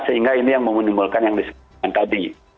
sehingga ini yang menimbulkan yang disebutkan tadi